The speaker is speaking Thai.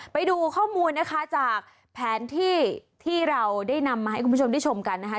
ไปดูข้อมูลนะคะจากแผนที่ที่เราได้นำมาให้คุณผู้ชมได้ชมกันนะคะ